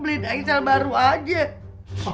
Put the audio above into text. beli diesel baru aja